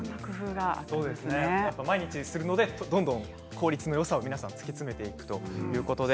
毎日するのでどんどん効率のよさを突き詰めていくということです。